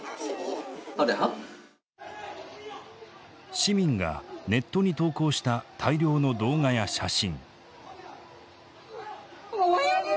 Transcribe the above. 市民がネットに投稿した大量の動画や写真。